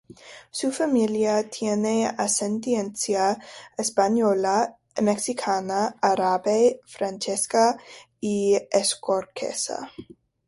Su familia tiene ascendencia española, mexicana, árabe, francesa y escocesa.